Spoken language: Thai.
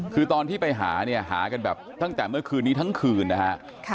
คือตอนที่ไปหาเนี่ยหากันแบบตั้งแต่เมื่อคืนนี้ทั้งคืนนะฮะ